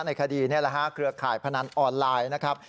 ในคดีนี่แหละฮะเครือข่ายพนันออนไลน์นะครับ